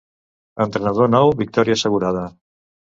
Entrenador nou, victòria assegurada.